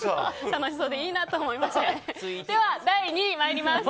楽しそうでいいなと思います。